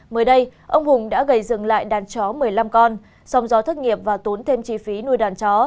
mới đây ông hùng đã gầy dừng lại đàn chó một mươi năm con song do thất nghiệp và tốn thêm chi phí nuôi đàn chó